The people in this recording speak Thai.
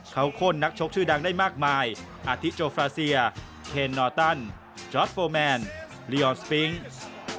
เขาข้นนักชกชื่อดังได้มากมายอาทิโจฟราเซียเคนนอตันจอร์ดโฟร์แมนลีออนสปิงส์